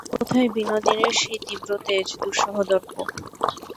কোথায় বিনোদিনীর সেই তীব্র তেজ, দুঃসহ দর্প।